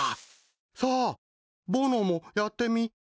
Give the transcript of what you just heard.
さあぼのもやってみて。